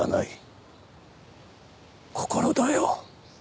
心だよ。